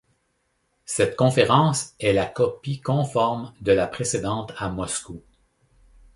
Cette conférence est la copie conforme de la précédente à Moscou.